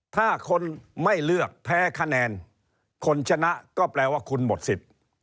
ถ้าคนไม่เลือกแพ้คะแนนคนชนะก็แปลว่าคุณหมดสิทธิ์